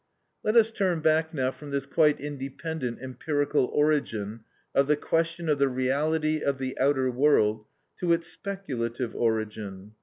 Let us turn back now from this quite independent empirical origin of the question of the reality of the outer world, to its speculative origin.